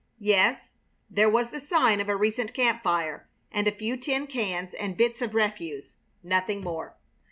Yes, there was the sign of a recent camp fire, and a few tin cans and bits of refuse, nothing more.